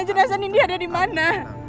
jenasan ini ada dimana